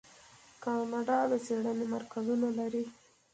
کاناډا د څیړنې مرکزونه لري.